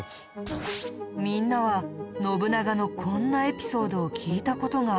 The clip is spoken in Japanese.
みんなは信長のこんなエピソードを聞いた事があるかな？